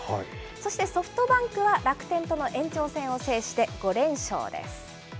そしてソフトバンクは、楽天との延長戦を制して５連勝です。